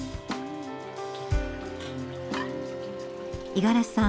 五十嵐さん